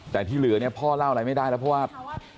แต่ที่เหลือเนี่ยพ่อเล่าอะไรไม่ได้แล้วเพราะว่า